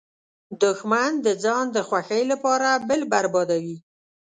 دښمن د ځان د خوښۍ لپاره بل بربادوي